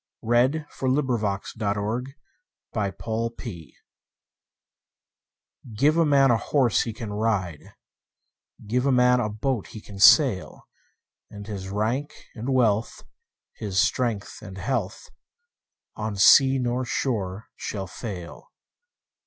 1834–1882 798. Gifts GIVE a man a horse he can ride, Give a man a boat he can sail; And his rank and wealth, his strength and health, On sea nor shore shall fail.